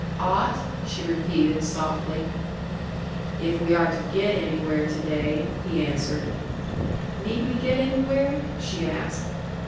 "Ought?" she repeated softly. "If we are to get anywhere to day," he answered. "Need we get anywhere?" she asked.